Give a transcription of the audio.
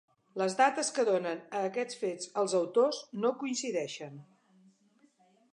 Les dates que donen a aquests fets els autors, no coincideixen.